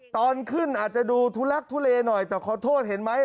ตอนขึ้นอาจจะดูทุลักทุเลหน่อยแต่ขอโทษเห็นไหม